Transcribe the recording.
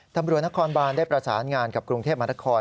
ตำรวจนครบานได้ประสานงานกับกรุงเทพมหานคร